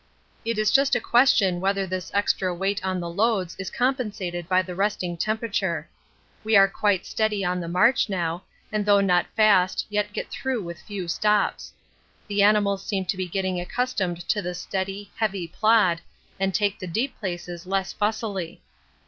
It is just a question whether this extra weight on the loads is compensated by the resting temperature. We are quite steady on the march now, and though not fast yet get through with few stops. The animals seem to be getting accustomed to the steady, heavy plod and take the deep places less fussily.